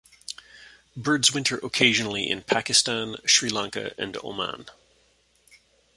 Birds winter occasionally in Pakistan, Sri Lanka and Oman.